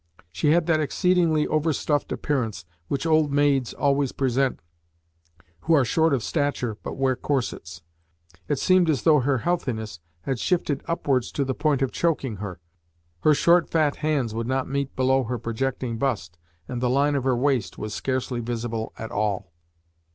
She had that exceedingly overstuffed appearance which old maids always present who are short of stature but wear corsets. It seemed as though her healthiness had shifted upwards to the point of choking her, her short, fat hands would not meet below her projecting bust, and the line of her waist was scarcely visible at all.